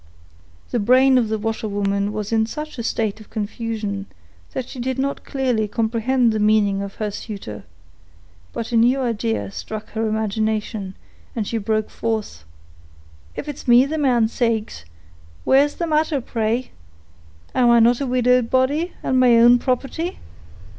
The brain of the washerwoman was in such a state of confusion that she did not clearly comprehend the meaning of her suitor, but a new idea struck her imagination, and she broke forth,— "If it's me the man saaks, where's the matter, pray? Am I not a widowed body, and my own property?